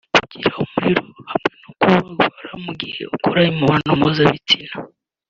kugira umuriro hamwe no kubabara mu gihe cyo gukora imibonano mpuzabitsina